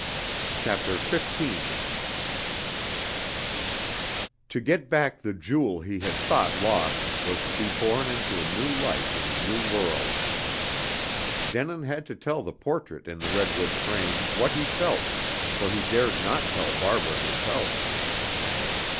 CHAPTER XV To get back the jewel he had thought lost, was to be born into a new life in a new world. Denin had to tell the portrait in the redwood frame, what he felt, for he dared not tell Barbara herself.